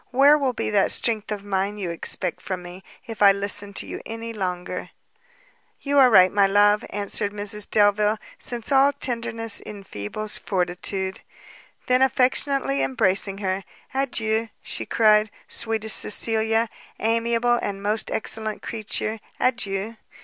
where will be that strength of mind you expect from me, if I listen to you any longer!" "You are right, my love," answered Mrs Delvile, "since all tenderness enfeebles fortitude." Then affectionately embracing her, "Adieu," she cried, "sweetest Cecilia, amiable and most excellent creature, adieu!